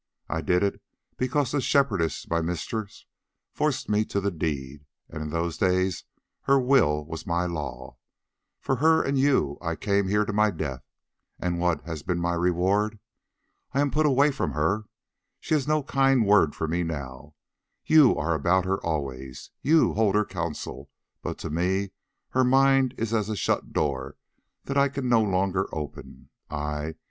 I did it because the Shepherdess my mistress forced me to the deed, and in those days her will was my law. For her and you I came here to my death, and what has been my reward? I am put away from her, she has no kind word for me now; you are about her always, you hold her counsel, but to me her mind is as a shut door that I can no longer open. Ay!